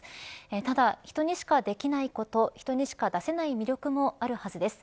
ただ、人にしかできないこと人にしか出せない魅力もあるはずです。